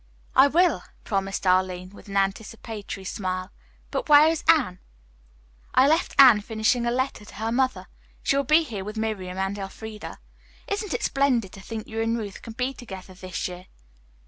"I will," promised Arline, with an anticipatory smile. "But where is Anne?" "I left Anne finishing a letter to her mother. She will be here with Miriam and Elfreda. Isn't it splendid to think you and Ruth can be together this year?"